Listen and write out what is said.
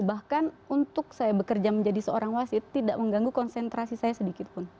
bahkan untuk saya bekerja menjadi seorang wasit tidak mengganggu konsentrasi saya sedikit pun